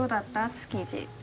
築地。